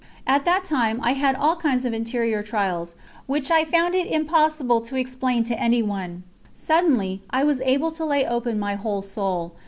At that time I had all kinds of interior trials which I found it impossible to explain to anyone; suddenly, I was able to lay open my whole soul.